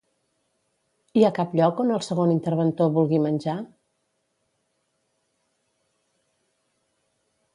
Hi ha cap lloc on el segon interventor vulgui menjar?